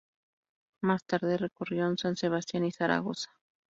Más tarde recorrieron San Sebastián y Zaragoza.